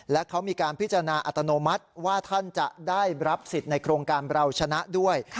และเขามีการพิจารณาอัตโนมัติว่าท่านจะได้รับสิทธิ์ในโครงการเราชนะด้วย